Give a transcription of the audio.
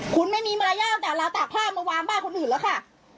คุณไม่มีมารยาทแต่เราตากผ้ามาวางบ้านคนอื่นแล้วค่ะ